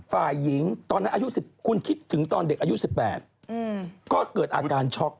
ฝ่ายหญิงคุณคิดถึงตอนเด็กอายุ๑๘ก็เกิดอาการช็อค